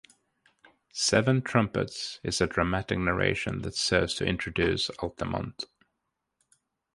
"Seven Trumpets" is a dramatic narration that serves to introduce "Altamont".